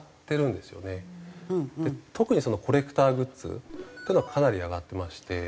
特にコレクターグッズっていうのはかなり上がってまして。